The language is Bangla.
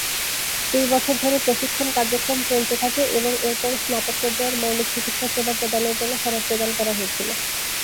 দুই বছর ধরে প্রশিক্ষণ কার্যক্রম চলতে থাকে এবং এরপর স্নাতক পর্যায়ের মৌলিক চিকিৎসা সেবা প্রদানের জন্য সনদ প্রদান করা হয়েছিল।